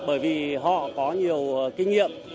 bởi vì họ có nhiều kinh nghiệm